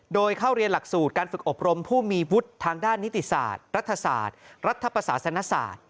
โดยเข้าเรียนหลักสูตรการฝึกอบรมผู้มีวุฒิทางด้านนิติศาสตร์รัฐศาสตร์รัฐประศาสนศาสตร์